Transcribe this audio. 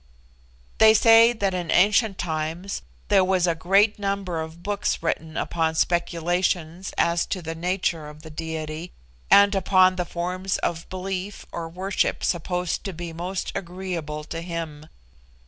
They say that in ancient times there was a great number of books written upon speculations as to the nature of the Diety, and upon the forms of belief or worship supposed to be most agreeable to Him.